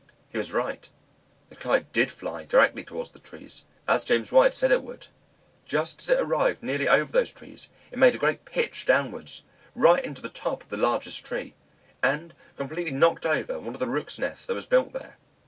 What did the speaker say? He was right, the Kite did fly directly towards the trees, as James White said it would. Just as it arrived nearly over those trees, it made a great pitch downwards, right into the top of the largest tree, and completely knocked over one of the rooks' nests that was built there.